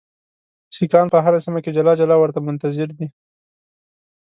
سیکهان په هره سیمه کې جلا جلا ورته منتظر دي.